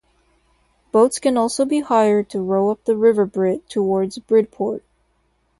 Boats can also be hired to row up the River Brit towards Bridport.